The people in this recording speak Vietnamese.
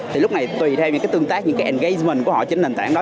thì lúc này tùy theo những cái tương tác những cái mình của họ trên nền tảng đó